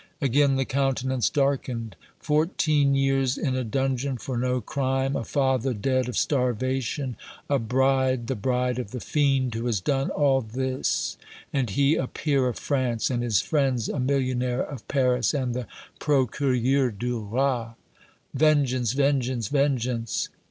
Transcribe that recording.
Again the countenance darkened. "Fourteen years in a dungeon for no crime! a father dead of starvation! a bride the bride of the fiend who has done all this and he a peer of France and his friends a millionaire of Paris and the Procureur du Roi! Vengeance vengeance vengeance!"